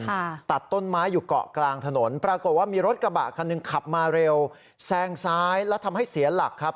ค่ะตัดต้นไม้อยู่เกาะกลางถนนปรากฏว่ามีรถกระบะคันหนึ่งขับมาเร็วแซงซ้ายแล้วทำให้เสียหลักครับ